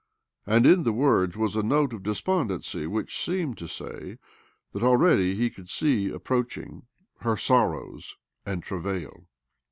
And in the words was a note of des pondency which seemed to say that already he could see approaching her ' sorrows " and " travail."